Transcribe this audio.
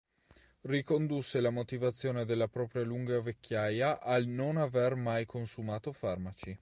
Ricondusse la motivazione della propria lunga vecchiaia al non aver mai consumato farmaci.